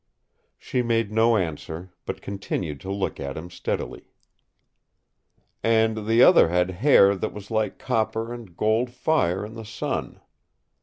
She made no answer, but continued to look at him steadily. "And the other had hair that was like copper and gold fire in the sun.